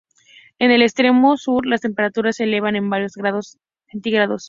En el extremo sur las temperaturas se elevan en varios grados centígrados.